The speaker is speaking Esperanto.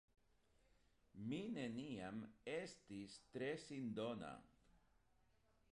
Mi neniam estis tre sindona.